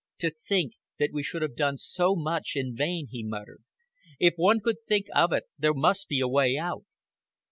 "To think that we should have done so much in vain," he muttered. "If one could think of it, there must be a way out."